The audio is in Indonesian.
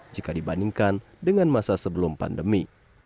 jika dibandingkan dengan masa sebelum pandemi